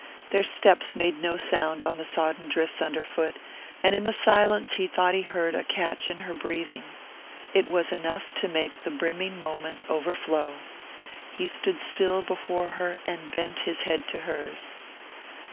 Their steps made no sound on the sodden drifts underfoot, and in the silence he thought he heard a catch in her breathing. It was enough to make the brimming moment overflow. He stood still before her and bent his head to hers.